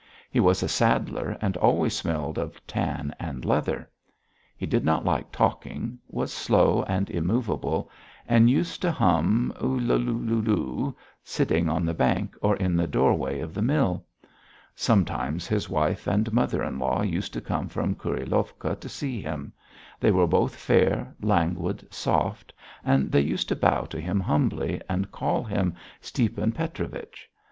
He was a saddler and always smelled of tan and leather. He did not like talking, was slow and immovable, and used to hum "U lu lu lu," sitting on the bank or in the doorway of the mill. Sometimes his wife and mother in law used to come from Kurilovka to see him; they were both fair, languid, soft, and they used to bow to him humbly and call him Stiepan Petrovich.